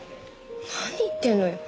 何言ってんのよ。